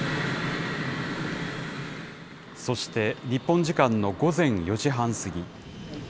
そして日本時間の午前４時半過ぎ。